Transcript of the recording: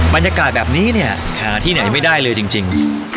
บรรยากาศแบบนี้เนี่ยหาที่ไหนไม่ได้เลยจริง